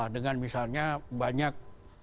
dengan misalnya banyak